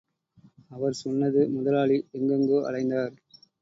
அவர் சொன்னது— முதலாளி எங்கெங்கோ அலைந்தார்.